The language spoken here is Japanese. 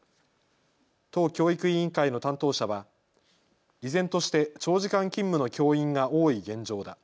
都教育委員会の担当者は依然として長時間勤務の教員が多い現状だ。